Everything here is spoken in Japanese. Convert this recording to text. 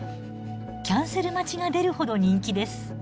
キャンセル待ちが出るほど人気です。